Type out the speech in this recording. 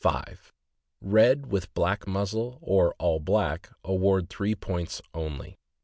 . 5 Red with black muzzle, or all black, award three points only.